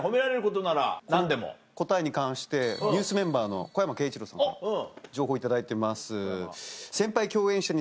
答えに関してＮＥＷＳメンバーの小山慶一郎さんから情報頂いてます。